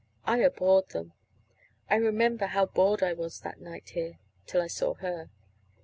I abhorred them. I remember how bored I was that night here till I saw her."